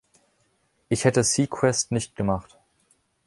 Ich hätte „seaQuest“ nicht gemacht.